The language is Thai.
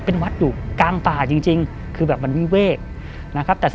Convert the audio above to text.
เป็นวัดอยู่กลางป่าจริงคือมีเวท